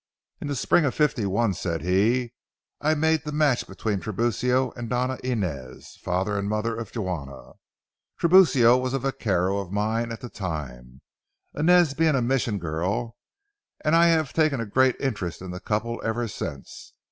"In the spring of '51," said he, "I made the match between Tiburcio and Doña Inez, father and mother of Juana. Tiburcio was a vaquero of mine at the time, Inez being a Mission girl, and I have taken a great interest in the couple ever since.